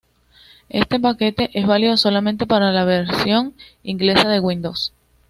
Este paquete es válido solamente para la versión inglesa de Windows.